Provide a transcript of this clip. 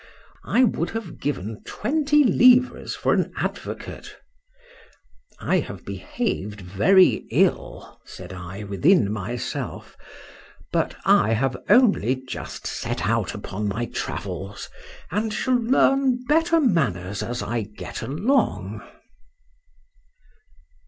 —I would have given twenty livres for an advocate.—I have behaved very ill, said I within myself; but I have only just set out upon my travels; and shall learn better manners as I get along.